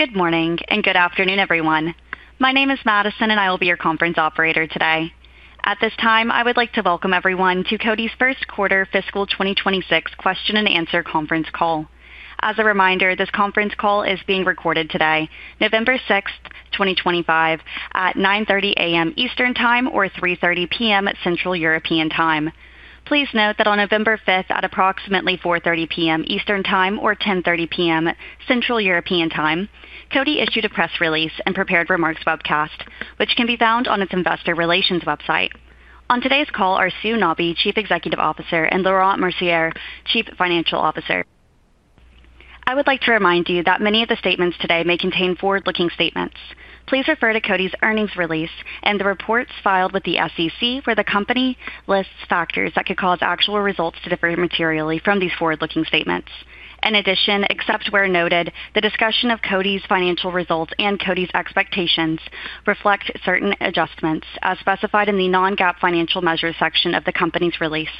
Good morning and good afternoon, everyone. My name is Madison, and I will be your conference operator today. At this time, I would like to welcome everyone to Coty's first quarter fiscal 2026 question and answer conference call. As a reminder, this conference call is being recorded today, November 6, 2025, at 9:30 A.M. Eastern Time or 3:30 P.M. Central European Time. Please note that on November 5, at approximately 4:30 P.M. Eastern Time or 10:30 P.M. Central European Time, Coty issued a press release and prepared remarks webcast, which can be found on its investor relations website. On today's call are Sue Nabi, Chief Executive Officer, and Laurent Mercier, Chief Financial Officer. I would like to remind you that many of the statements today may contain forward-looking statements. Please refer to Coty's earnings release and the reports filed with the SEC, where the company lists factors that could cause actual results to differ materially from these forward-looking statements. In addition, except where noted, the discussion of Coty's financial results and Coty's expectations reflect certain adjustments, as specified in the non-GAAP financial measures section of the company's release.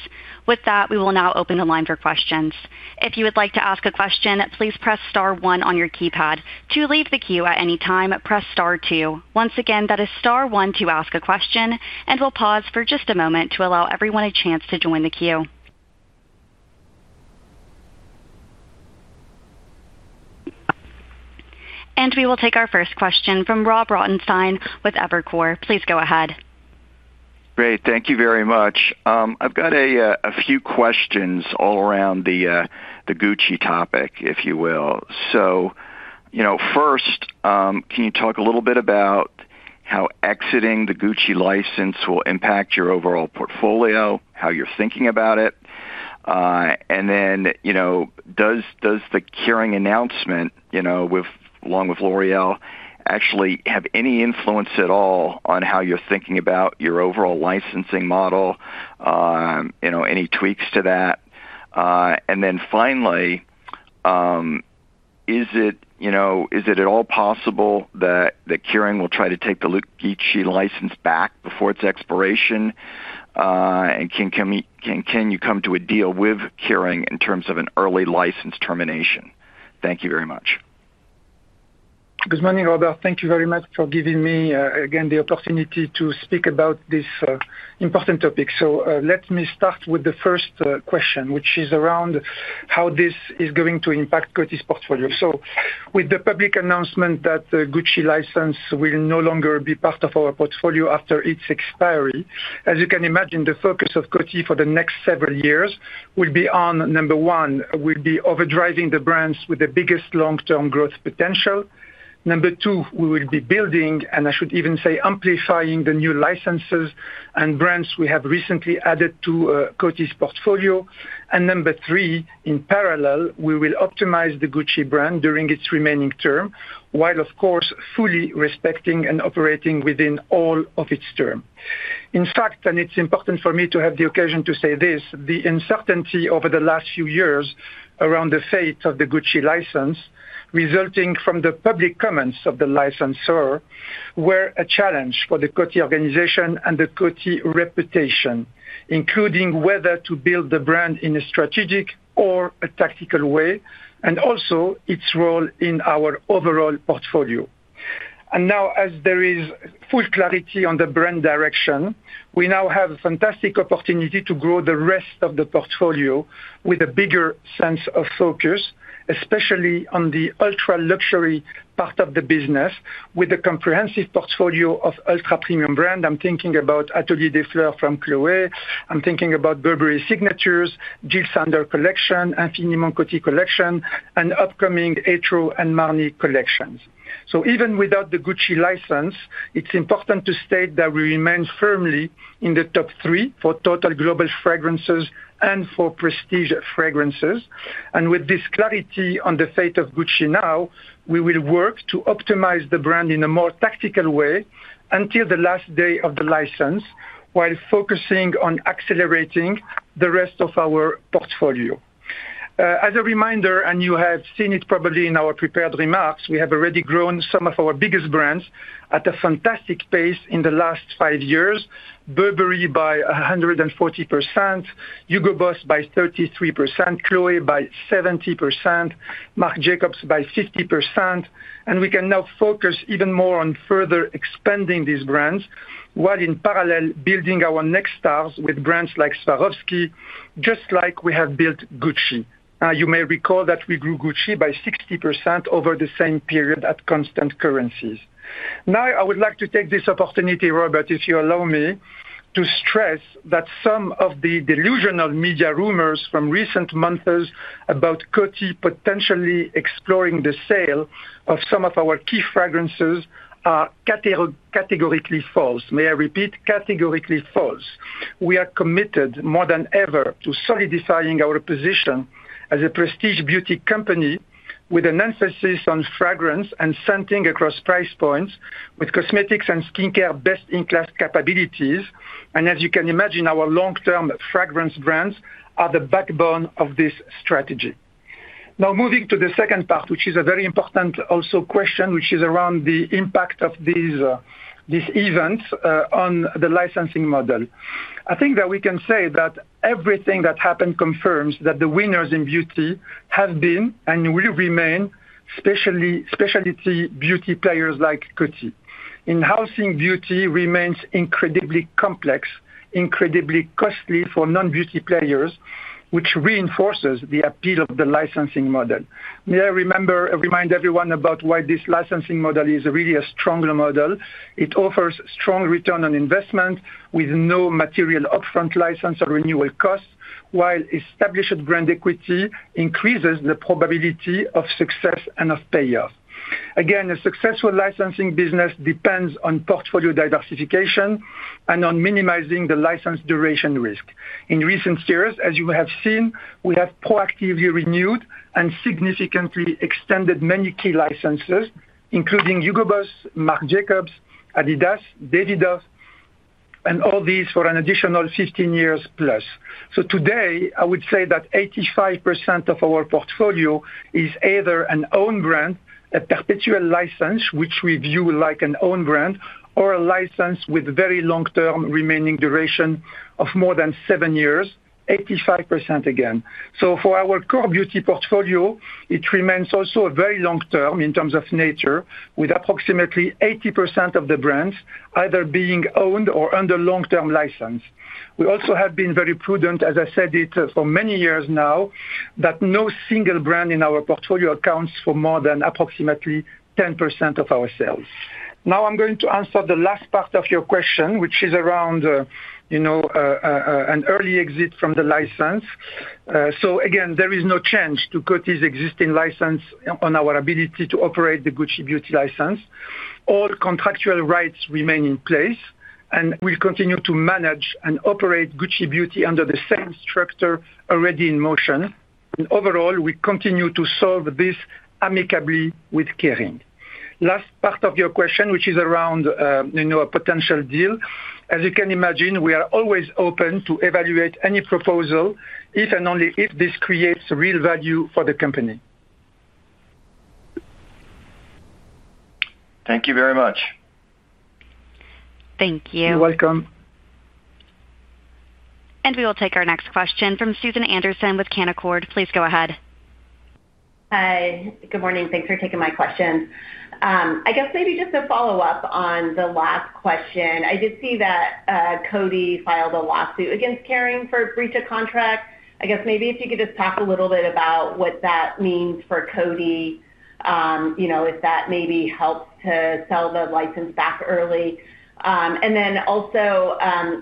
With that, we will now open the line for questions. If you would like to ask a question, please press star one on your keypad. To leave the queue at any time, press star two. Once again, that is star one to ask a question, and we'll pause for just a moment to allow everyone a chance to join the queue. We will take our first question from Rob Ottenstein with Evercore. Please go ahead. Great. Thank you very much. I've got a few questions all around the Gucci topic, if you will. First, can you talk a little bit about how exiting the Gucci license will impact your overall portfolio, how you're thinking about it? Does the Kering announcement along with L'Oréal actually have any influence at all on how you're thinking about your overall licensing model? Any tweaks to that? Finally, is it at all possible that Kering will try to take the Gucci license back before its expiration? Can you come to a deal with Kering in terms of an early license termination? Thank you very much. Good morning, Robert. Thank you very much for giving me, again, the opportunity to speak about this important topic. Let me start with the first question, which is around how this is going to impact Coty's portfolio. With the public announcement that the Gucci license will no longer be part of our portfolio after its expiry, as you can imagine, the focus of Coty for the next several years will be on, number one, we'll be overdriving the brands with the biggest long-term growth potential. Number two, we will be building, and I should even say amplifying, the new licenses and brands we have recently added to Coty's portfolio. Number three, in parallel, we will optimize the Gucci brand during its remaining term, while, of course, fully respecting and operating within all of its term. In fact, and it's important for me to have the occasion to say this, the uncertainty over the last few years around the fate of the Gucci license, resulting from the public comments of the licensor, were a challenge for the Coty organization and the Coty reputation, including whether to build the brand in a strategic or a tactical way, and also its role in our overall portfolio. Now, as there is full clarity on the brand direction, we now have a fantastic opportunity to grow the rest of the portfolio with a bigger sense of focus, especially on the ultra-luxury part of the business, with a comprehensive portfolio of ultra-premium brands. I'm thinking about Atelier des Fleurs from Chloé. I'm thinking about Burberry Signatures, Jil Sander Collection, Infiniment Coty Collection, and upcoming Etro and Marni collections. Even without the Gucci license, it's important to state that we remain firmly in the top three for total global fragrances and for prestige fragrances. With this clarity on the fate of Gucci now, we will work to optimize the brand in a more tactical way until the last day of the license, while focusing on accelerating the rest of our portfolio. As a reminder, and you have seen it probably in our prepared remarks, we have already grown some of our biggest brands at a fantastic pace in the last five years: Burberry by 140%, HUGO BOSS by 33%, Chloé by 70%, Marc Jacobs by 50%. We can now focus even more on further expanding these brands, while in parallel, building our next stars with brands like Swarovski, just like we have built Gucci. You may recall that we grew Gucci by 60% over the same period at constant currencies. Now, I would like to take this opportunity, Robert, if you allow me, to stress that some of the delusional media rumors from recent months about Coty potentially exploring the sale of some of our key fragrances are categorically false. May I repeat? Categorically false. We are committed more than ever to solidifying our position as a prestige beauty company with an emphasis on fragrance and scenting across price points, with cosmetics and skincare best-in-class capabilities. As you can imagine, our long-term fragrance brands are the backbone of this strategy. Now, moving to the second part, which is a very important also question, which is around the impact of these events on the licensing model. I think that we can say that everything that happened confirms that the winners in beauty have been and will remain specialty beauty players like Coty. In-housing beauty remains incredibly complex, incredibly costly for non-beauty players, which reinforces the appeal of the licensing model. May I remind everyone about why this licensing model is really a stronger model? It offers strong return on investment with no material upfront license or renewal costs, while established brand equity increases the probability of success and of payoff. Again, a successful licensing business depends on portfolio diversification and on minimizing the license duration risk. In recent years, as you have seen, we have proactively renewed and significantly extended many key licenses, including HUGO BOSS, Marc Jacobs, adidas, Davidoff. And all these for an additional 15 years plus. Today, I would say that 85% of our portfolio is either an own brand, a perpetual license, which we view like an own brand, or a license with very long-term remaining duration of more than seven years, 85% again. For our core beauty portfolio, it remains also very long-term in terms of nature, with approximately 80% of the brands either being owned or under long-term license. We also have been very prudent, as I said it for many years now, that no single brand in our portfolio accounts for more than approximately 10% of our sales. Now, I'm going to answer the last part of your question, which is around an early exit from the license. Again, there is no change to Coty's existing license on our ability to operate the Gucci beauty license. All contractual rights remain in place, and we will continue to manage and operate Gucci beauty under the same structure already in motion. Overall, we continue to solve this amicably with Kering. Last part of your question, which is around a potential deal. As you can imagine, we are always open to evaluate any proposal if and only if this creates real value for the company. Thank you very much. Thank you. You're welcome. We will take our next question from Susan Anderson with Canaccord. Please go ahead. Hi. Good morning. Thanks for taking my questions. I guess maybe just a follow-up on the last question. I did see that Coty filed a lawsuit against Kering for breach of contract. I guess maybe if you could just talk a little bit about what that means for Coty. If that maybe helps to sell the license back early. Also, I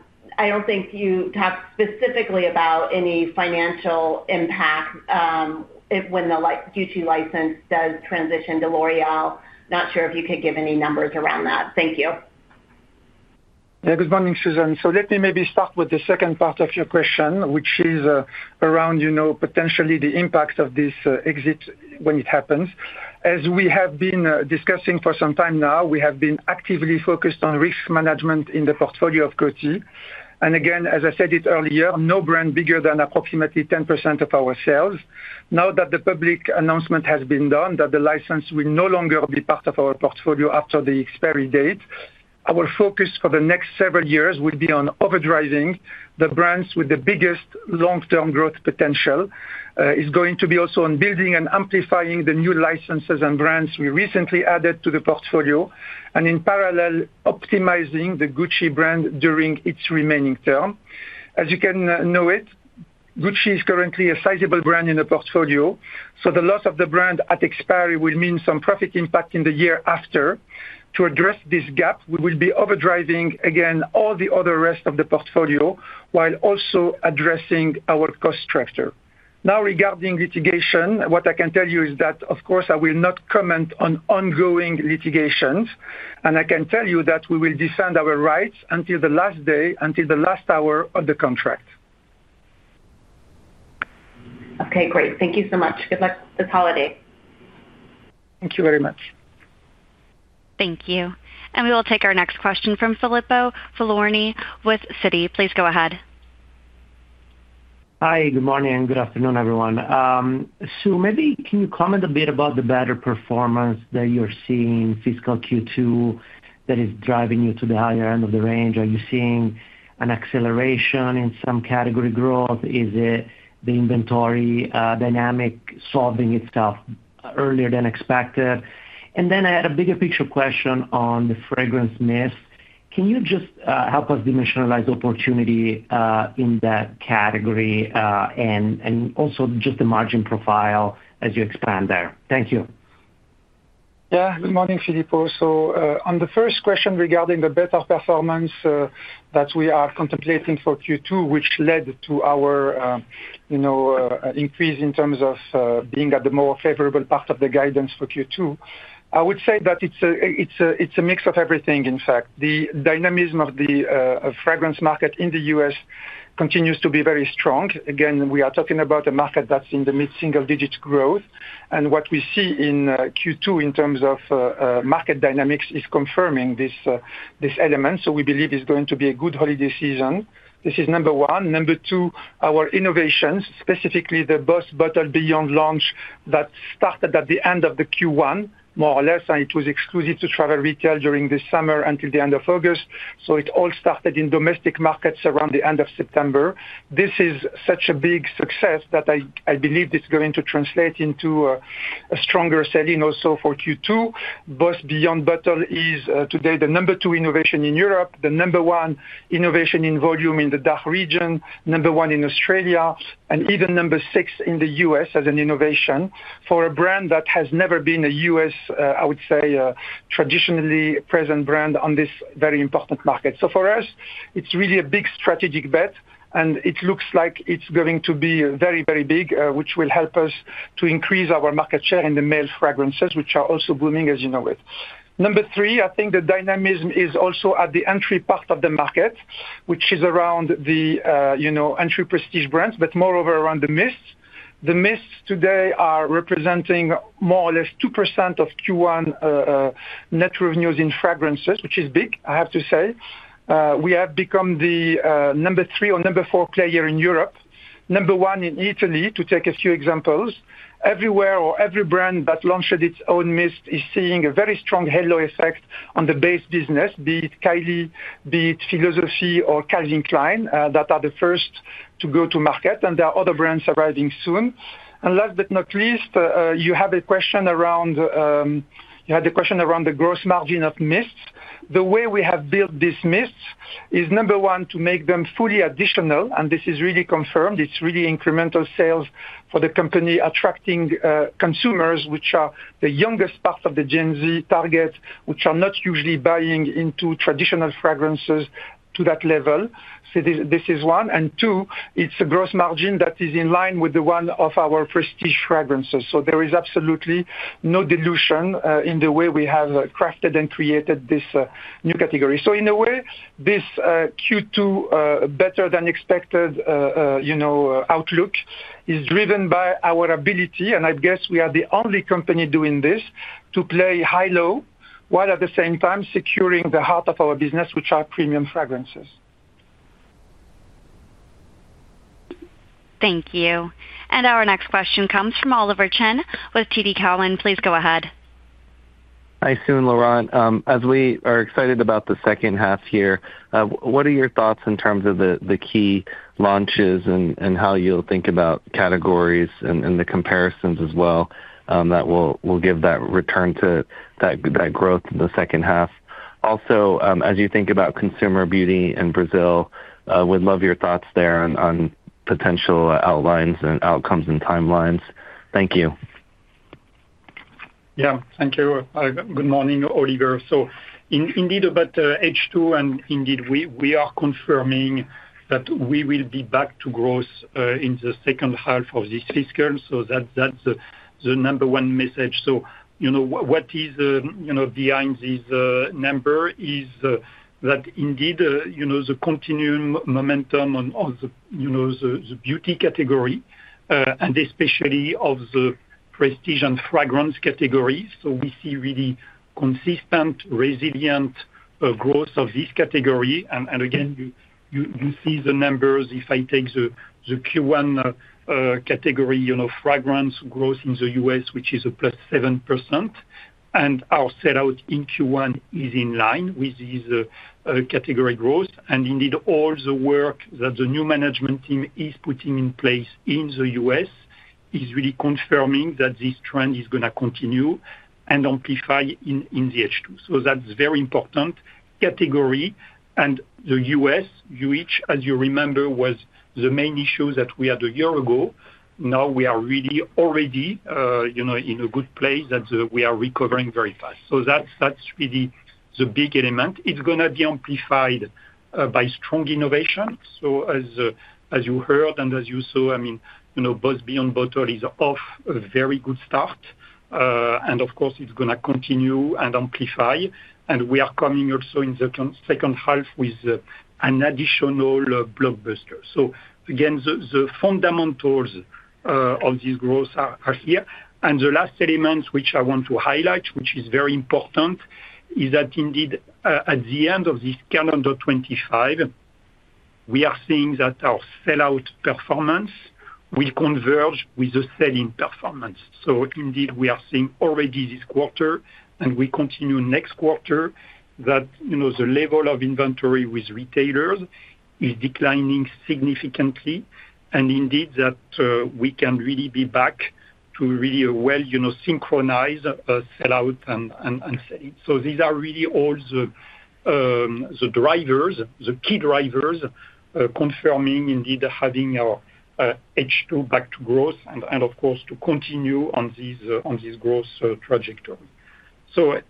do not think you talked specifically about any financial impact. When the Gucci license does transition to L'Oréal. Not sure if you could give any numbers around that. Thank you. Yeah. Good morning, Susan. Let me maybe start with the second part of your question, which is around potentially the impact of this exit when it happens. As we have been discussing for some time now, we have been actively focused on risk management in the portfolio of Coty. Again, as I said it earlier, no brand bigger than approximately 10% of our sales. Now that the public announcement has been done that the license will no longer be part of our portfolio after the expiry date, our focus for the next several years will be on overdriving the brands with the biggest long-term growth potential. It is going to be also on building and amplifying the new licenses and brands we recently added to the portfolio, and in parallel, optimizing the Gucci brand during its remaining term. As you can know it, Gucci is currently a sizable brand in the portfolio, so the loss of the brand at expiry will mean some profit impact in the year after. To address this gap, we will be overdriving, again, all the other rest of the portfolio, while also addressing our cost structure. Now, regarding litigation, what I can tell you is that, of course, I will not comment on ongoing litigations, and I can tell you that we will defend our rights until the last day, until the last hour of the contract. Okay. Great. Thank you so much. Good luck with this holiday. Thank you very much. Thank you. We will take our next question from Filippo Falorni with Citi. Please go ahead. Hi. Good morning and good afternoon, everyone. Maybe can you comment a bit about the better performance that you're seeing in fiscal Q2 that is driving you to the higher end of the range? Are you seeing an acceleration in some category growth? Is it the inventory dynamic solving itself earlier than expected? I had a bigger picture question on the fragrance mix. Can you just help us dimensionalize opportunity in that category and also just the margin profile as you expand there? Thank you. Yeah. Good morning, Filippo. On the first question regarding the better performance that we are contemplating for Q2, which led to our increase in terms of being at the more favorable part of the guidance for Q2, I would say that it's a mix of everything, in fact. The dynamism of the fragrance market in the U.S. continues to be very strong. Again, we are talking about a market that's in the mid-single-digit growth. What we see in Q2 in terms of market dynamics is confirming this element. We believe it's going to be a good holiday season. This is number one. Number two, our innovations, specifically the BOSS Bottled Beyond launch that started at the end of Q1, more or less, and it was exclusive to travel retail during the summer until the end of August. It all started in domestic markets around the end of September. This is such a big success that I believe it's going to translate into a stronger selling also for Q2. BOSS Beyond Bottled is today the number two innovation in Europe, the number one innovation in volume in the DACH region, number one in Australia, and even number six in the U.S. as an innovation for a brand that has never been a U.S., I would say, traditionally present brand on this very important market. For us, it's really a big strategic bet, and it looks like it's going to be very, very big, which will help us to increase our market share in the male fragrances, which are also booming, as you know it. Number three, I think the dynamism is also at the entry part of the market, which is around the. Entry prestige brands, but moreover around the mists. The mists today are representing more or less 2% of Q1 net revenues in fragrances, which is big, I have to say. We have become the number three or number four player in Europe, number one in Italy, to take a few examples. Everywhere or every brand that launches its own mist is seeing a very strong halo effect on the base business, be it Kylie, be it Philosophy, or Calvin Klein that are the first to go to market. There are other brands arriving soon. Last but not least, you have a question around. You had a question around the gross margin of mists. The way we have built these mists is, number one, to make them fully additional, and this is really confirmed. It's really incremental sales for the company, attracting consumers, which are the youngest part of the Gen-Z target, which are not usually buying into traditional fragrances to that level. This is one. Two, it's a gross margin that is in line with the one of our prestige fragrances. There is absolutely no dilution in the way we have crafted and created this new category. In a way, this Q2 better than expected. Outlook is driven by our ability, and I guess we are the only company doing this, to play high-low while at the same time securing the heart of our business, which are premium fragrances. Thank you. Our next question comes from Oliver Chen with TD Cowen. Please go ahead. Hi Sue and Laurent. As we are excited about the second half here, what are your thoughts in terms of the key launches and how you'll think about categories and the comparisons as well that will give that return to that growth in the second half? Also, as you think about consumer beauty in Brazil, we'd love your thoughts there on potential outlines and outcomes and timelines. Thank you. Yeah. Thank you. Good morning, Oliver. Indeed, about H2, and indeed, we are confirming that we will be back to growth in the second half of this fiscal. That is the number one message. What is behind this number is that indeed the continued momentum of the beauty category, and especially of the prestige and fragrance categories. We see really consistent, resilient growth of this category. Again, you see the numbers. If I take the Q1 category fragrance growth in the U.S., which is a plus 7%. Our sellout in Q1 is in line with these category growth. Indeed, all the work that the new management team is putting in place in the US is really confirming that this trend is going to continue and amplify in the H2. That is very important category. The U.S., as you remember, was the main issue that we had a year ago. Now we are really already in a good place that we are recovering very fast. That is really the big element. It is going to be amplified by strong innovation. As you heard and as you saw, I mean, BOSS Beyond Bottled is off a very good start. Of course, it is going to continue and amplify. We are coming also in the second half with an additional blockbuster. Again, the fundamentals of this growth are here. The last element, which I want to highlight, which is very important, is that indeed at the end of this calendar 2025, we are seeing that our sell-out performance will converge with the sell-in performance. Indeed, we are seeing already this quarter, and we continue next quarter, that the level of inventory with retailers is declining significantly. Indeed, we can really be back to really a well-synchronized sellout and selling. These are really all the drivers, the key drivers, confirming indeed having our H2 back to growth and, of course, to continue on this growth trajectory.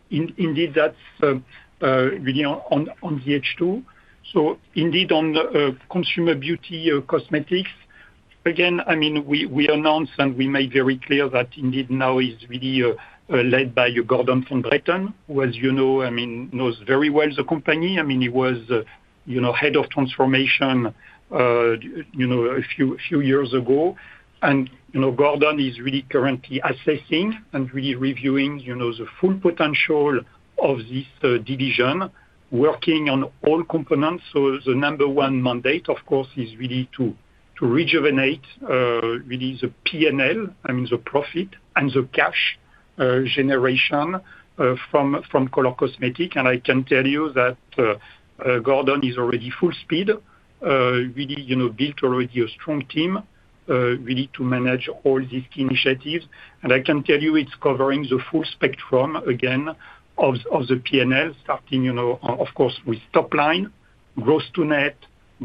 Indeed, that is really on the H2. Indeed, on consumer beauty cosmetics, again, I mean, we announced and we made very clear that indeed now is really led by Gordon von Bretten, who, as you know, I mean, knows very well the company. I mean, he was Head of Transformation a few years ago. Gordon is really currently assessing and really reviewing the full potential of this division, working on all components. The number one mandate, of course, is really to rejuvenate really the P&L, I mean, the profit and the cash generation from Color Cosmetics. I can tell you that Gordon is already full speed, really built already a strong team, really to manage all these key initiatives. I can tell you it's covering the full spectrum again of the P&L, starting, of course, with top line, gross to net,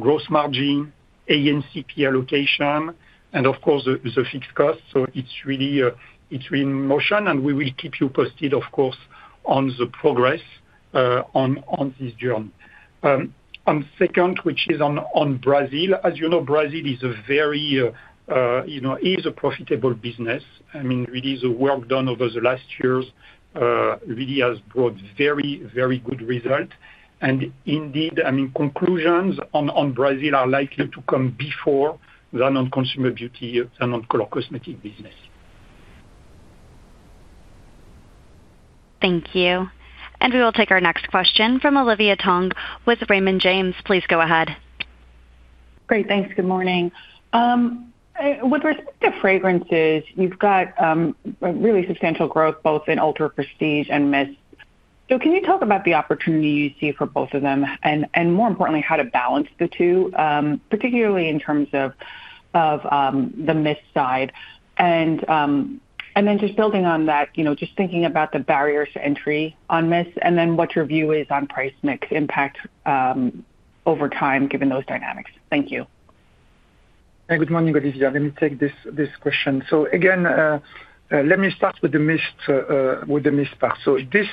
gross margin, AnCP allocation, and, of course, the fixed cost. It's really in motion, and we will keep you posted, of course, on the progress on this journey. On second, which is on Brazil, as you know, Brazil is a very, is a profitable business. I mean, really, the work done over the last years really has brought very, very good results. Indeed, I mean, conclusions on Brazil are likely to come before than on consumer beauty and on color cosmetics business. Thank you. We will take our next question from Olivia Tong with Raymond James. Please go ahead. Great. Thanks. Good morning. With respect to fragrances, you've got really substantial growth both in ultra prestige and mists. Can you talk about the opportunity you see for both of them and, more importantly, how to balance the two, particularly in terms of the mist side? Then just building on that, just thinking about the barriers to entry on mists, and what your view is on price mix impact over time, given those dynamics. Thank you. Good morning, Olivia. Let me take this question. Again, let me start with the mist part. This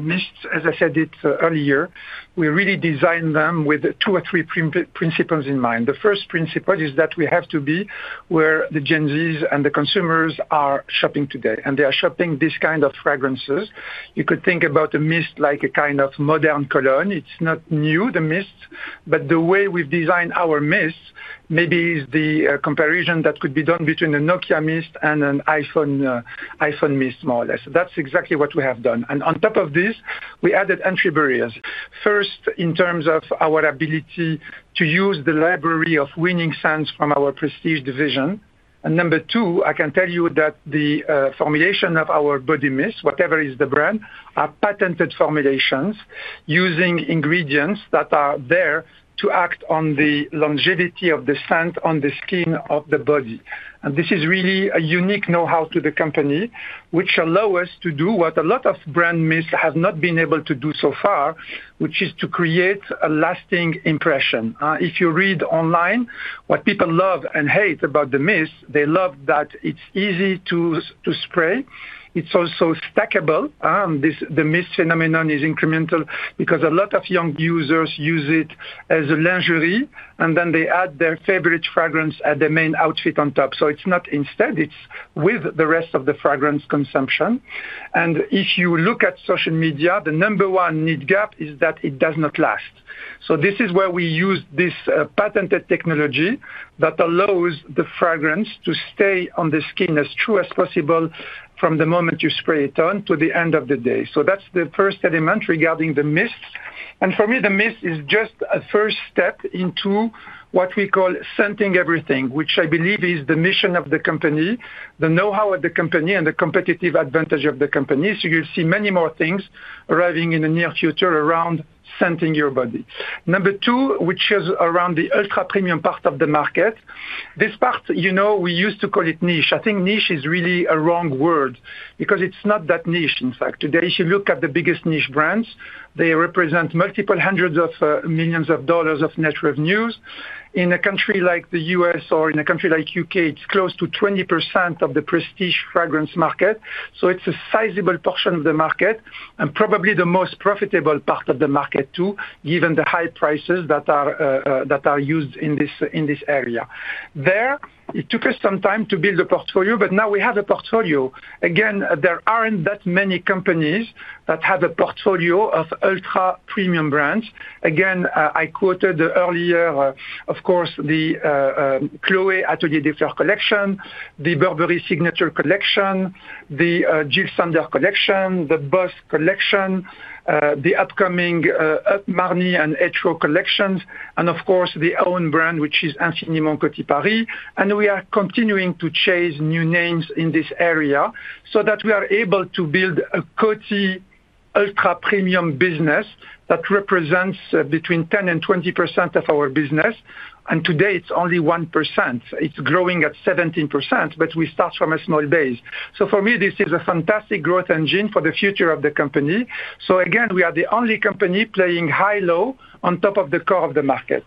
mist, as I said earlier, we really designed them with two or three principles in mind. The first principle is that we have to be where the Gen-Zs and the consumers are shopping today. They are shopping this kind of fragrances. You could think about a mist like a kind of modern cologne. It is not new, the mists. The way we have designed our mists, maybe the comparison that could be done is between a Nokia mist and an iPhone mist, more or less. That is exactly what we have done. On top of this, we added entry barriers. First, in terms of our ability to use the library of winning scents from our prestige division. Number two, I can tell you that the formulation of our body mists, whatever is the brand, are patented formulations using ingredients that are there to act on the longevity of the scent on the skin of the body. This is really a unique know-how to the company, which allows us to do what a lot of brand mists have not been able to do so far, which is to create a lasting impression. If you read online what people love and hate about the mists, they love that it is easy to spray. It is also stackable. The mist phenomenon is incremental because a lot of young users use it as a lingerie, and then they add their favorite fragrance at the main outfit on top. It is not instead, it is with the rest of the fragrance consumption. If you look at social media, the number one need gap is that it does not last. This is where we use this patented technology that allows the fragrance to stay on the skin as true as possible from the moment you spray it on to the end of the day. That is the first element regarding the mists. For me, the mist is just a first step into what we call scenting everything, which I believe is the mission of the company, the know-how of the company, and the competitive advantage of the company. You will see many more things arriving in the near future around scenting your body. Number two, which is around the ultra premium part of the market. This part, we used to call it niche. I think niche is really a wrong word because it is not that niche, in fact. Today, if you look at the biggest niche brands, they represent multiple hundreds of millions of dollars of net revenues. In a country like the U.S. or in a country like U.K., it's close to 20% of the prestige fragrance market. It is a sizable portion of the market and probably the most profitable part of the market too, given the high prices that are used in this area. It took us some time to build a portfolio, but now we have a portfolio. There aren't that many companies that have a portfolio of ultra-premium brands. I quoted earlier, of course, the Chloé Atelier des Fleurs collection, the Burberry Signatures collection, the Jil Sander collection, the BOSS collection, the upcoming Marni and Etro collections, and of course, the own brand, which is Infiniment Coty Paris. We are continuing to chase new names in this area so that we are able to build a Coty ultra-premium business that represents between 10% and 20% of our business. Today, it is only 1%. It is growing at 17%, but we start from a small base. For me, this is a fantastic growth engine for the future of the company. Again, we are the only company playing high-low on top of the core of the market.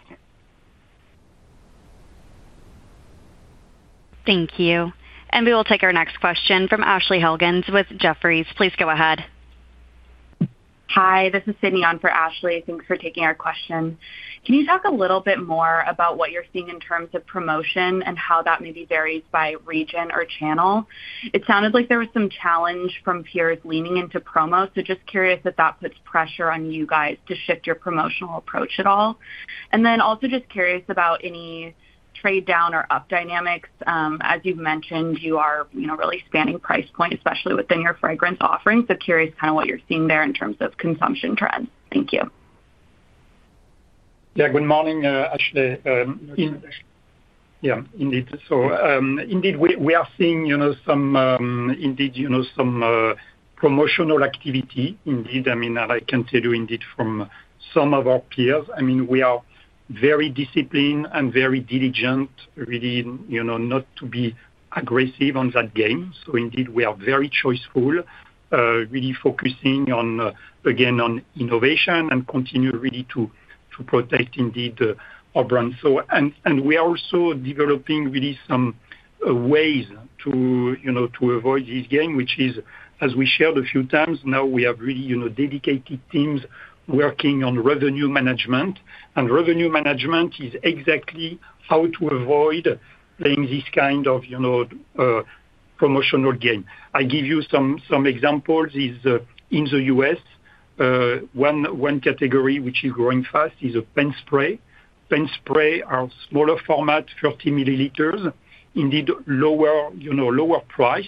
Thank you. We will take our next question from Ashley Helgans with Jefferies. Please go ahead. Hi, this is Sydney On for Ashley. Thanks for taking our question. Can you talk a little bit more about what you're seeing in terms of promotion and how that maybe varies by region or channel? It sounded like there was some challenge from peers leaning into promo, so just curious if that puts pressure on you guys to shift your promotional approach at all. Also just curious about any trade-down or up dynamics. As you've mentioned, you are really spanning price points, especially within your fragrance offerings. Curious kind of what you're seeing there in terms of consumption trends. Thank you. Yeah. Good morning, Ashley. Yeah, indeed. So indeed, we are seeing some promotional activity. Indeed, I mean, I can tell you indeed from some of our peers, I mean, we are very disciplined and very diligent, really not to be aggressive on that game. Indeed, we are very choice-full, really focusing on, again, on innovation and continue really to protect indeed our brand. We are also developing really some ways to avoid this game, which is, as we shared a few times, now we have really dedicated teams working on revenue management. Revenue management is exactly how to avoid playing this kind of promotional game. I give you some examples. In the U.S., one category which is growing fast is a pen spray. Pen spray are smaller format, 30 milliliters, indeed lower price.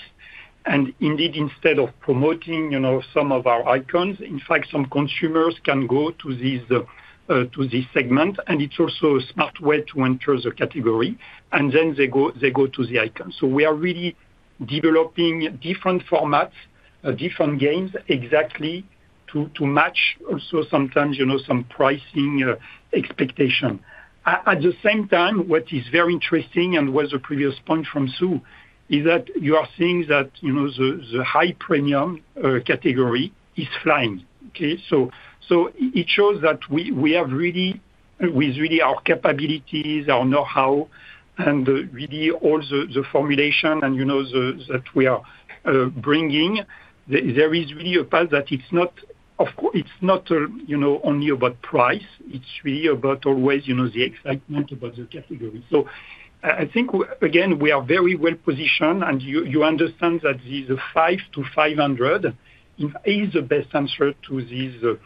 Indeed, instead of promoting some of our icons, in fact, some consumers can go to this segment. It is also a smart way to enter the category, and then they go to the icon. We are really developing different formats, different games exactly to match also sometimes some pricing expectation. At the same time, what is very interesting and was a previous point from Sue is that you are seeing that the high premium category is flying. It shows that we have really, with really our capabilities, our know-how, and really all the formulation that we are bringing, there is really a path that it is not only about price. It is really about always the excitement about the category. I think, again, we are very well positioned. You understand that the 5-500 is the best answer to this.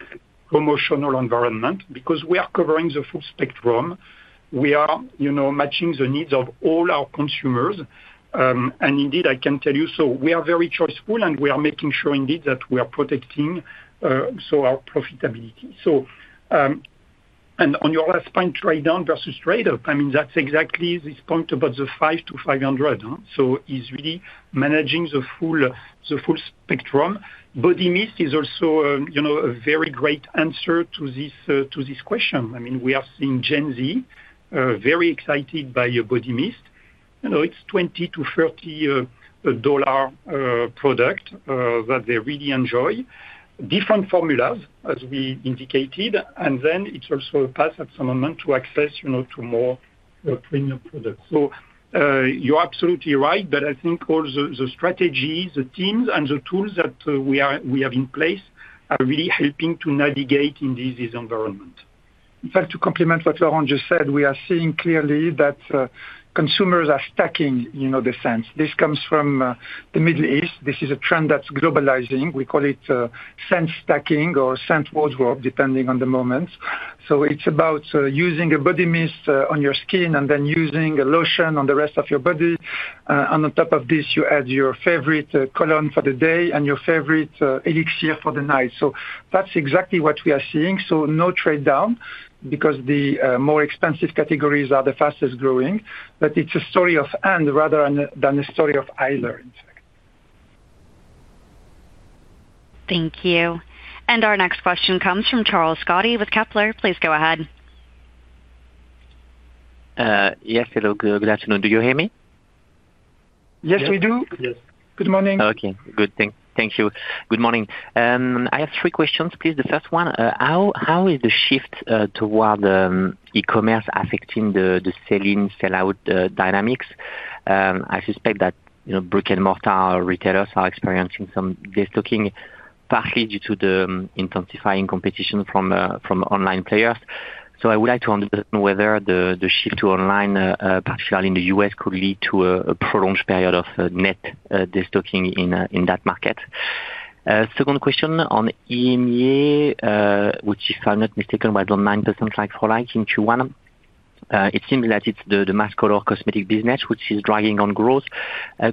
Promotional environment because we are covering the full spectrum. We are matching the needs of all our consumers. I can tell you, we are very choice-full, and we are making sure indeed that we are protecting our profitability. On your last point, trade-down versus trade-up, I mean, that's exactly this point about the 5 to 500. It's really managing the full spectrum. Body mist is also a very great answer to this question. I mean, we are seeing Gen-Z very excited by a body mist. It's a $20-$30 product that they really enjoy. Different formulas, as we indicated. It's also a path at some moment to access more premium products. You're absolutely right, but I think all the strategies, the teams, and the tools that we have in place are really helping to navigate in this environment. In fact, to complement what Laurent just said, we are seeing clearly that consumers are stacking the scents. This comes from the Middle East. This is a trend that's globalizing. We call it scent stacking or scent wardrobe, depending on the moment. It is about using a body mist on your skin and then using a lotion on the rest of your body. On top of this, you add your favorite cologne for the day and your favorite elixir for the night. That is exactly what we are seeing. No trade-down because the more expensive categories are the fastest growing. It is a story of hand rather than a story of eyelid, in fact. Thank you. Our next question comes from Charles Scotti with Kepler. Please go ahead. Yes, hello. Good afternoon. Do you hear me? Yes, we do. Good morning. Okay. Good. Thank you. Good morning. I have three questions, please. The first one, how is the shift toward e-commerce affecting the sell-in, sell-out dynamics? I suspect that brick-and-mortar retailers are experiencing some de-stocking, partly due to the intensifying competition from online players. I would like to understand whether the shift to online, particularly in the U.S., could lead to a prolonged period of net de-stocking in that market. Second question on EMEA, which, if I'm not mistaken, was on 9% like-for-like in Q1. It seems that it's the mass color cosmetics business which is driving on growth.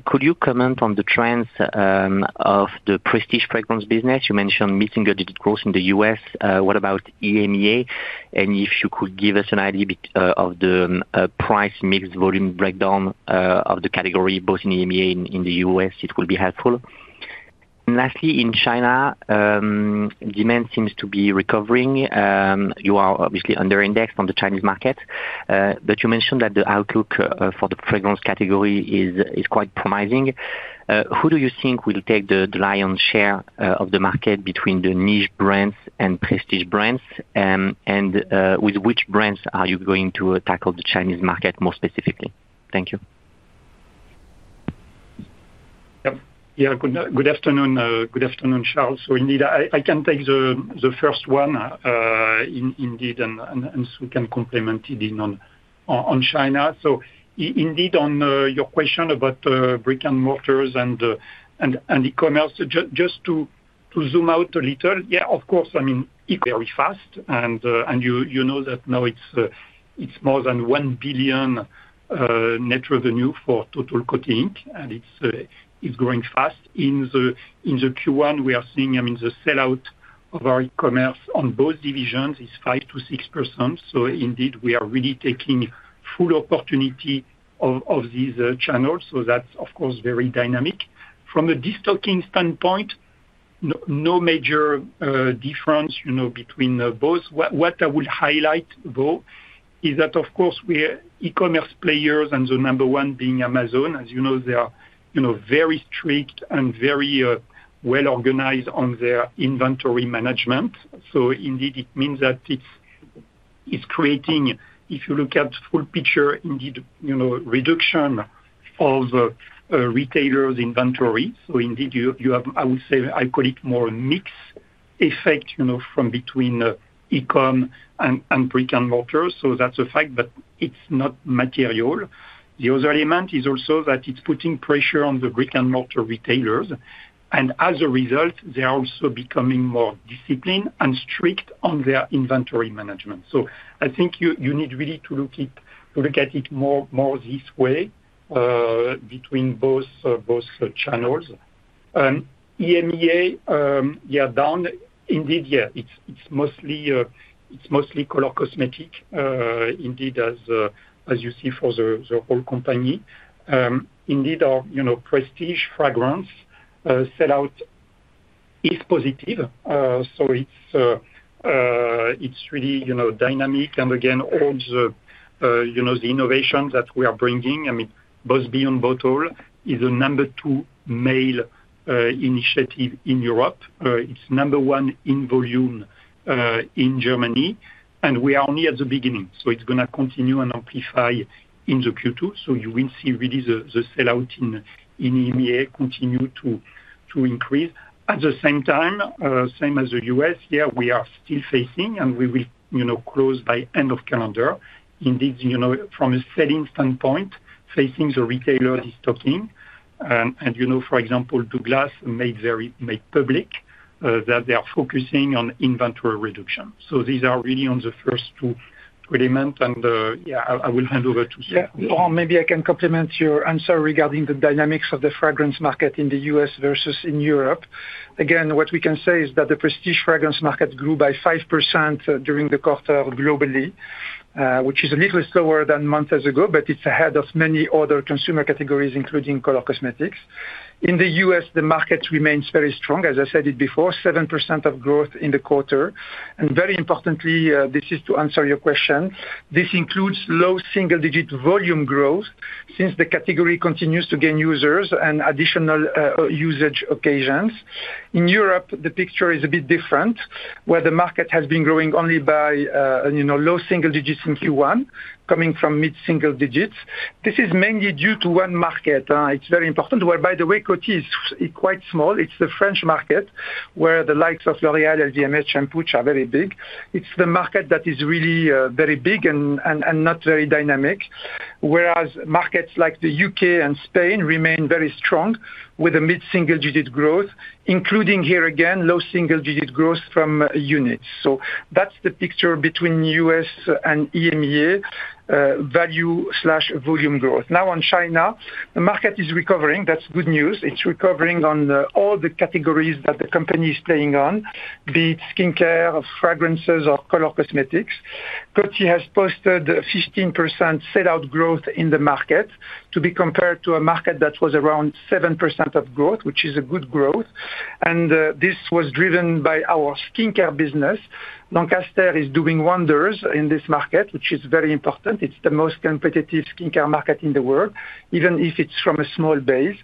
Could you comment on the trends of the prestige fragrance business? You mentioned mid-single-digit growth in the U.S. What about EMEA? If you could give us an idea of the price mix volume breakdown of the category, both in EMEA and in the U.S., it would be helpful. Lastly, in China. Demand seems to be recovering. You are obviously under-indexed on the Chinese market. You mentioned that the outlook for the fragrance category is quite promising. Who do you think will take the lion's share of the market between the niche brands and prestige brands? With which brands are you going to tackle the Chinese market more specifically? Thank you. Yeah. Good afternoon, Charles. So indeed, I can take the first one. Indeed, and we can complement indeed on China. So indeed, on your question about brick-and-mortars and e-commerce, just to zoom out a little, yeah, of course, I mean. Very fast. And you know that now it's more than $1 billion net revenue for total Coty. And it's growing fast. In the Q1, we are seeing, I mean, the sell-out of our e-commerce on both divisions is 5%-6%. So indeed, we are really taking full opportunity of these channels. That's, of course, very dynamic. From a de-stocking standpoint, no major difference between both. What I would highlight, though, is that, of course, we are e-commerce players, and the number one being Amazon. As you know, they are very strict and very well-organized on their inventory management. So indeed, it means that it's. Creating, if you look at the full picture, indeed, reduction of retailers' inventory. So indeed, you have, I would say, I call it more a mixed effect from between e-com and brick-and-mortar. That's a fact, but it's not material. The other element is also that it's putting pressure on the brick-and-mortar retailers. As a result, they are also becoming more disciplined and strict on their inventory management. I think you need really to look at it more this way, between both channels. EMEA, yeah, down. Indeed, yeah, it's mostly color cosmetics, indeed, as you see for the whole company. Indeed, prestige fragrance sell-out is positive. It's really dynamic. Again, all the innovations that we are bringing, I mean, BOSS Beyond Bottled is the number two male initiative in Europe. It's number one in volume in Germany. We are only at the beginning. It's going to continue and amplify in Q2. You will see really the sell-out in EMEA continue to increase. At the same time, same as the U.S., yeah, we are still facing, and we will close by end of calendar. Indeed, from a sell-in standpoint, facing the retailer de-stocking. For example, Douglas made public that they are focusing on inventory reduction. These are really on the first two elements. Yeah, I will hand over to Sue. Yeah. Or maybe I can complement your answer regarding the dynamics of the fragrance market in the U.S. versus in Europe. Again, what we can say is that the prestige fragrance market grew by 5% during the quarter globally, which is a little slower than months ago, but it's ahead of many other consumer categories, including color cosmetics. In the U.S., the market remains very strong, as I said it before, 7% of growth in the quarter. Very importantly, this is to answer your question, this includes low single-digit volume growth since the category continues to gain users and additional usage occasions. In Europe, the picture is a bit different, where the market has been growing only by low single digits in Q1, coming from mid-single digits. This is mainly due to one market. It's very important, where, by the way, Coty is quite small. It's the French market, where the likes of L'Oréal, LVMH, and P&G are very big. It's the market that is really very big and not very dynamic, whereas markets like the U.K. and Spain remain very strong with a mid-single-digit growth, including here again, low single-digit growth from units. That's the picture between U.S. and EMEA. Value/volume growth. Now, on China, the market is recovering. That's good news. It's recovering on all the categories that the company is playing on, be it skincare, fragrances, or color cosmetics. Coty has posted 15% sell-out growth in the market to be compared to a market that was around 7% of growth, which is a good growth. This was driven by our skincare business. Lancaster is doing wonders in this market, which is very important. It's the most competitive skincare market in the world, even if it's from a small base.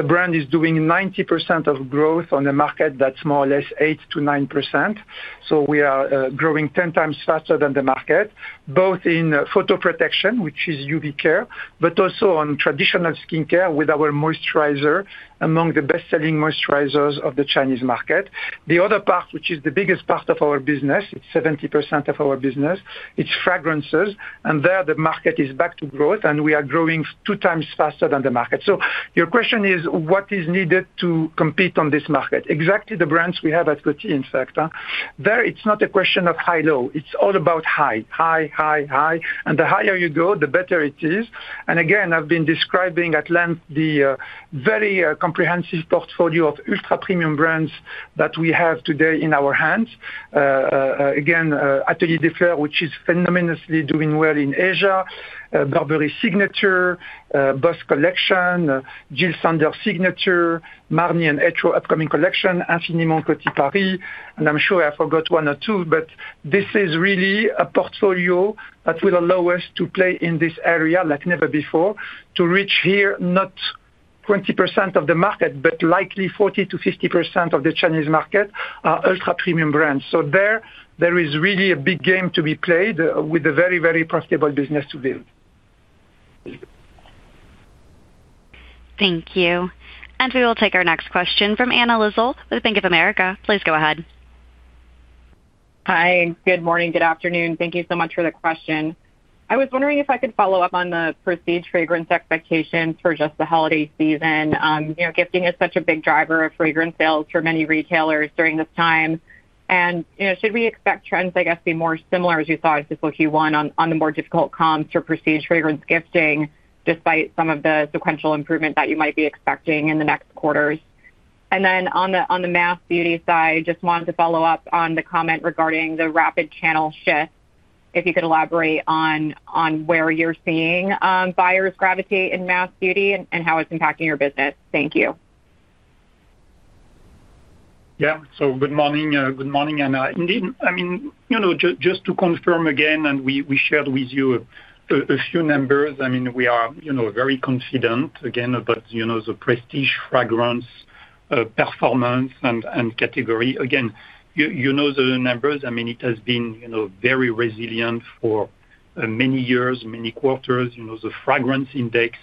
The brand is doing 90% of growth on a market that's more or less 8-9%. We are growing 10 times faster than the market, both in photo protection, which is UV care, but also on traditional skincare with our moisturizer, among the best-selling moisturizers of the Chinese market. The other part, which is the biggest part of our business, it's 70% of our business, it's fragrances. There, the market is back to growth, and we are growing two times faster than the market. Your question is, what is needed to compete on this market? Exactly the brands we have at Coty, in fact. There, it's not a question of high-low. It's all about high, high, high, high. The higher you go, the better it is. Again, I've been describing at length the very comprehensive portfolio of ultra-premium brands that we have today in our hands. Again, Atelier des Fleurs, which is phenomenally doing well in Asia, Burberry Signatures, BOSS Collection, Jil Sander Signature, Marni and Etro upcoming collection, Infiniment Coty Paris. I'm sure I forgot one or two, but this is really a portfolio that will allow us to play in this area like never before, to reach here, not 20% of the market, but likely 40%-50% of the Chinese market, ultra-premium brands. There is really a big game to be played with a very, very profitable business to build. Thank you. We will take our next question from Anna Lizzul with Bank of America. Please go ahead. Hi. Good morning. Good afternoon. Thank you so much for the question. I was wondering if I could follow up on the prestige fragrance expectations for just the holiday season. Gifting is such a big driver of fragrance sales for many retailers during this time. Should we expect trends, I guess, to be more similar, as you saw in Q1, on the more difficult comps for prestige fragrance gifting, despite some of the sequential improvement that you might be expecting in the next quarters? On the mass beauty side, just wanted to follow up on the comment regarding the rapid channel shift. If you could elaborate on where you're seeing buyers gravitate in mass beauty and how it's impacting your business. Thank you. Yeah. Good morning. Good morning, Anna. Indeed, just to confirm again, and we shared with you a few numbers. We are very confident, again, about the prestige fragrance performance and category. You know the numbers. It has been very resilient for many years, many quarters. The fragrance index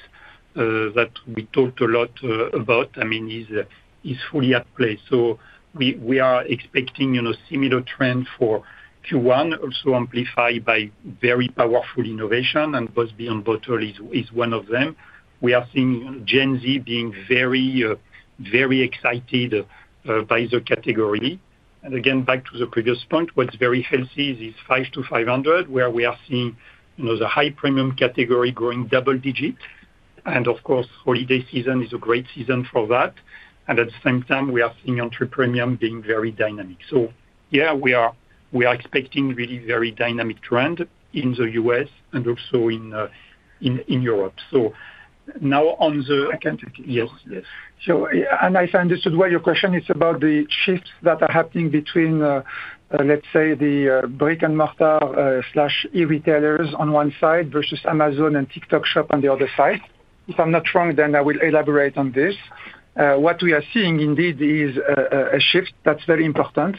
that we talked a lot about is fully at play. We are expecting a similar trend for Q1, also amplified by very powerful innovation. BOSS Beyond Bottled is one of them. We are seeing Gen-Z being very excited by the category. Again, back to the previous point, what is very healthy is 5-500, where we are seeing the high premium category growing double digits. Of course, holiday season is a great season for that. At the same time, we are seeing entry premium being very dynamic. Yeah, we are expecting really very dynamic trend in the U.S. and also in Europe. Now on the— I can take it. Yes, yes. I understood well your question. It's about the shifts that are happening between, let's say, the brick-and-mortar/e-retailers on one side versus Amazon and TikTok Shop on the other side. If I'm not wrong, then I will elaborate on this. What we are seeing, indeed, is a shift that's very important.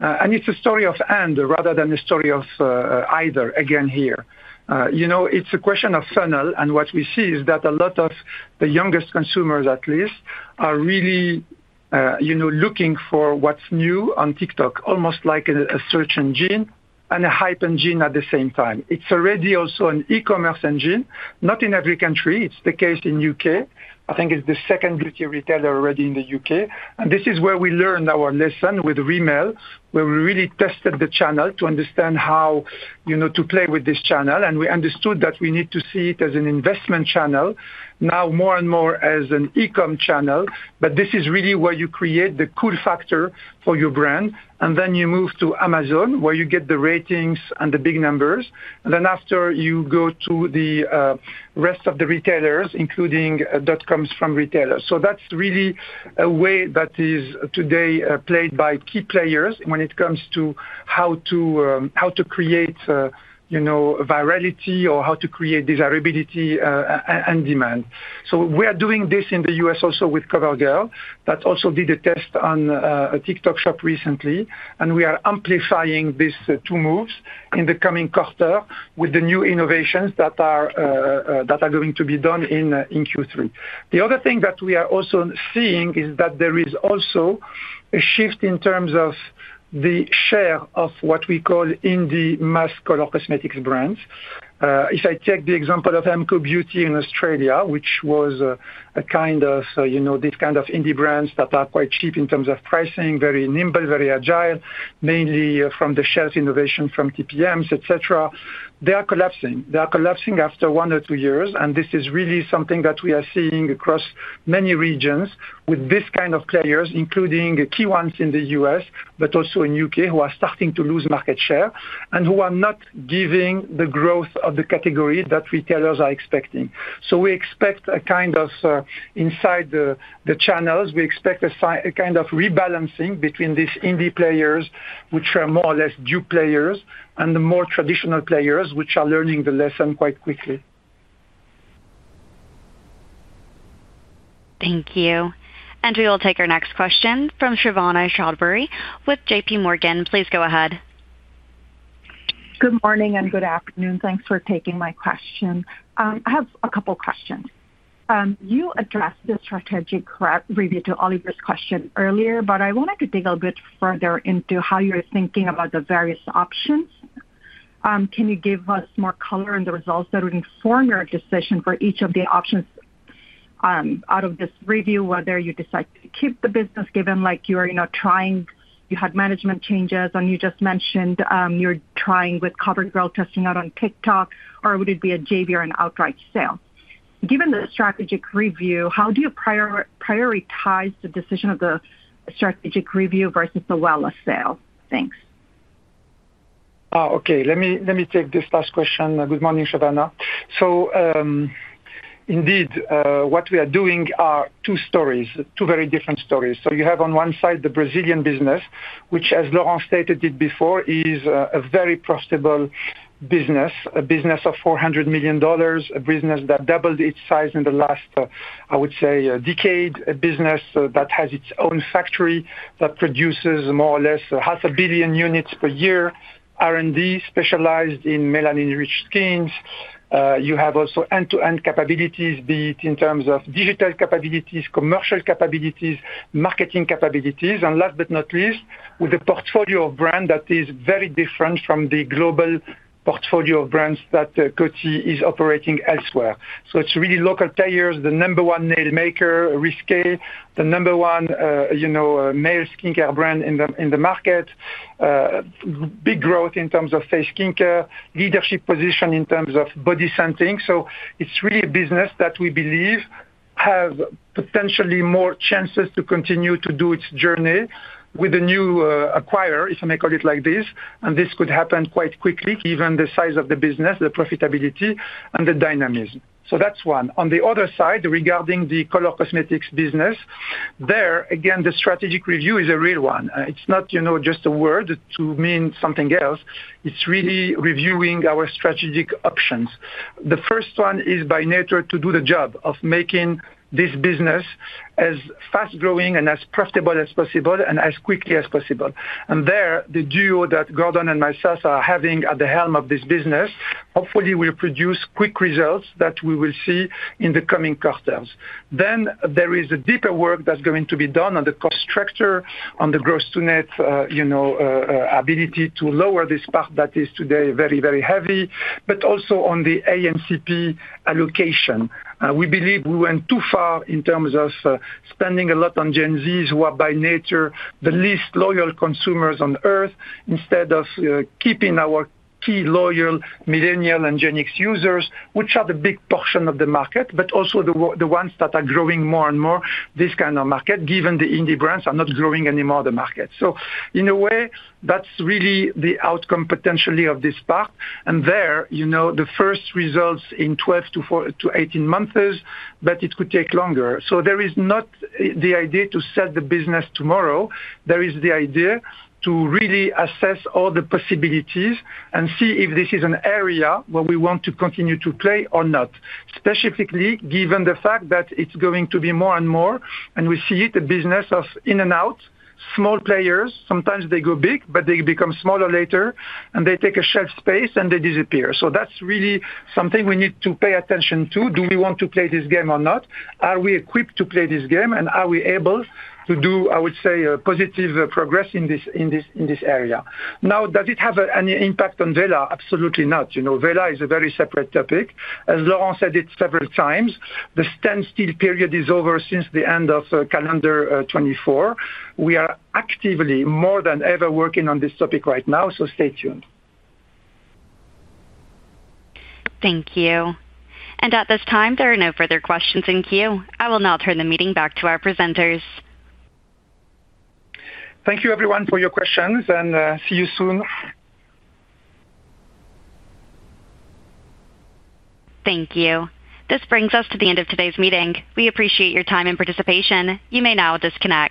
It's a story of and rather than a story of either, again, here. It's a question of funnel. What we see is that a lot of the youngest consumers, at least, are really looking for what's new on TikTok, almost like a search engine and a hype engine at the same time. It's already also an e-commerce engine, not in every country. It's the case in the U.K. I think it's the second beauty retailer already in the U.K. This is where we learned our lesson with Rimmel, where we really tested the channel to understand how to play with this channel. We understood that we need to see it as an investment channel, now more and more as an e-com channel. This is really where you create the cool factor for your brand. You move to Amazon, where you get the ratings and the big numbers. After, you go to the rest of the retailers, including dot-coms from retailers. That is really a way that is today played by key players when it comes to how to create virality or how to create desirability and demand. We are doing this in the U.S. also with CoverGirl. That also did a test on a TikTok Shop recently. We are amplifying these two moves in the coming quarter with the new innovations that are going to be done in Q3. The other thing that we are also seeing is that there is also a shift in terms of the share of what we call indie mass color cosmetics brands. If I take the example of MCoBeauty in Australia, which was a kind of this kind of indie brands that are quite cheap in terms of pricing, very nimble, very agile, mainly from the shelf innovation from TPMs, etc., they are collapsing. They are collapsing after one or two years. This is really something that we are seeing across many regions with this kind of players, including key ones in the U.S., but also in the U.K., who are starting to lose market share and who are not giving the growth of the category that retailers are expecting. We expect a kind of, inside the channels, we expect a kind of rebalancing between these indie players, which are more or less new players, and the more traditional players, which are learning the lesson quite quickly. Thank you. We will take our next question from Shovana Chowdhury with JPMorgan. Please go ahead. Good morning and good afternoon. Thanks for taking my question. I have a couple of questions. You addressed the strategic review to Oliver's question earlier, but I wanted to dig a little bit further into how you're thinking about the various options. Can you give us more color in the results that would inform your decision for each of the options? Out of this review, whether you decide to keep the business given you were trying, you had management changes, and you just mentioned you're trying with CoverGirl testing out on TikTok, or would it be a JV or an outright sale? Given the strategic review, how do you prioritize the decision of the strategic review versus the well of sale? Thanks. Oh, okay. Let me take this last question. Good morning, Shovana. Indeed, what we are doing are two stories, two very different stories. You have on one side the Brazilian business, which, as Laurent stated it before, is a very profitable business, a business of $400 million, a business that doubled its size in the last, I would say, decade, a business that has its own factory that produces more or less half a billion units per year, R&D specialized in melanin-rich skins. You have also end-to-end capabilities, be it in terms of digital capabilities, commercial capabilities, marketing capabilities. Last but not least, with a portfolio of brands that is very different from the global portfolio of brands that Coty is operating elsewhere. It is really local players, the number one nail maker, Risqué, the number one male skincare brand in the market. Big growth in terms of face skincare, leadership position in terms of body scenting. It is really a business that we believe has potentially more chances to continue to do its journey with a new acquirer, if I may call it like this. This could happen quite quickly, given the size of the business, the profitability, and the dynamism. That is one. On the other side, regarding the color cosmetics business, there again, the strategic review is a real one. It is not just a word to mean something else. It is really reviewing our strategic options. The first one is by nature to do the job of making this business as fast-growing and as profitable as possible and as quickly as possible. The duo that Gordon and myself are having at the helm of this business hopefully will produce quick results that we will see in the coming quarters. There is a deeper work that is going to be done on the cost structure, on the gross unit. Ability to lower this part that is today very, very heavy, but also on the AnCP allocation. We believe we went too far in terms of spending a lot on Gen-Zs, who are by nature the least loyal consumers on earth, instead of keeping our key loyal millennial and Gen-X users, which are the big portion of the market, but also the ones that are growing more and more, this kind of market, given the indie brands are not growing anymore the market. In a way, that is really the outcome potentially of this part. There, the first results in 12-18 months, but it could take longer. There is not the idea to sell the business tomorrow. There is the idea to really assess all the possibilities and see if this is an area where we want to continue to play or not, specifically given the fact that it is going to be more and more. We see it, the business of in and out, small players. Sometimes they go big, but they become smaller later, and they take shelf space, and they disappear. That is really something we need to pay attention to. Do we want to play this game or not? Are we equipped to play this game? Are we able to do, I would say, positive progress in this area? Does it have any impact on Vela? Absolutely not. Vela is a very separate topic. As Laurent said it several times, the standstill period is over since the end of calendar 2024. We are actively, more than ever, working on this topic right now. Stay tuned. Thank you. At this time, there are no further questions in queue. I will now turn the meeting back to our presenters. Thank you, everyone, for your questions. See you soon. Thank you. This brings us to the end of today's meeting. We appreciate your time and participation. You may now disconnect.